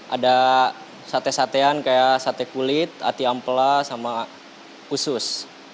ada sate satean kayak sate kulit ati ampela sama usus